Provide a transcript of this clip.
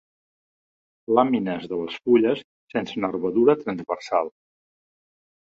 Làmines de les fulles sense nervadura transversal.